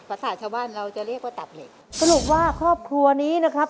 ภาษาชาวบ้านเราจะเรียกว่าตับเหล็กสรุปว่าครอบครัวนี้นะครับ